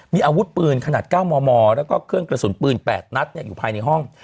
มีอาวุธปืนขนาด๙มมแล้วก็เครื่องกระสุนปืน๘นัดอยู่ภายในห้อง